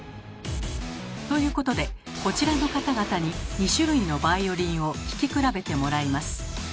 ということでこちらの方々に２種類のバイオリンを聴き比べてもらいます。